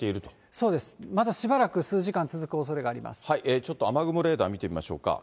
そうです、まだしばらく数時間、ちょっと雨雲レーダー見てみましょうか。